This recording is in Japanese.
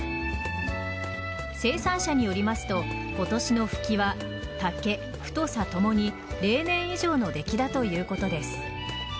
生産者によりますと今年のフキは丈、太さともに例年以上の出来だということです。